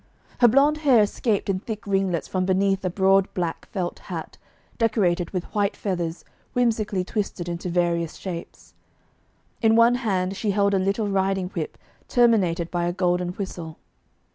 Her blond hair escaped in thick ringlets from beneath a broad black felt hat, decorated with white feathers whimsically twisted into various shapes. In one hand she held a little riding whip terminated by a golden whistle.